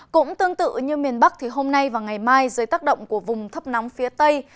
cũng tương tự như miền bắc thì hôm nay và ngày mai dưới tác động của vùng thấp nóng phía tây